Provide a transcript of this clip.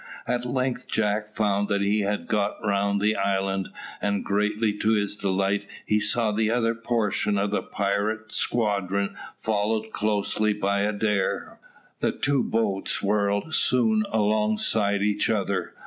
At length Jack found that he had got round the island, and greatly to his delight he saw the other portion of the pirate squadron followed closely by Adair. The two boats were soon alongside each other.